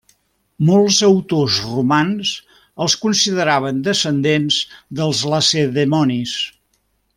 Molts autors romans els consideraven descendents dels lacedemonis.